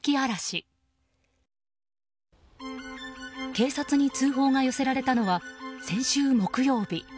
警察に通報が寄せられたのは先週木曜日。